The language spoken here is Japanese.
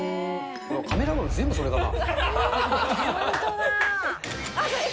カメラロール、全部それだな。